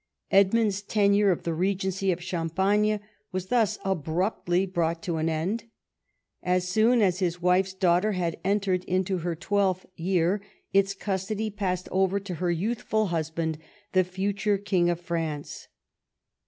Edmund's tenure of the regency of Champagne Avas thus abruptly brought to an end. As soon as his wife's daughter had entered into her twelfth year, its custody passed over to her youthful husband, the future King of France.